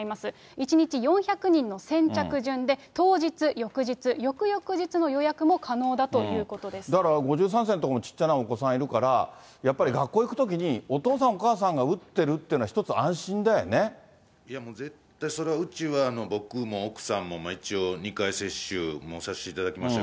１日４００人の先着順で当日、翌日、翌々日の予約も可能だというだから５３世のところもちっちゃいお子さんいるから、やっぱり学校行くときに、お父さん、お母さんが打ってるっていうのは一つ、絶対、それはうちは僕も奥さんも一応２回接種、もうさせていただきました。